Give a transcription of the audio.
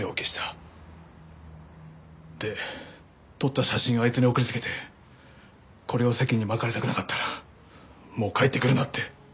で撮った写真をあいつに送りつけてこれを世間にまかれたくなかったらもう帰ってくるなって。